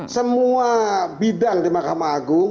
semua bidang di mahkamah agung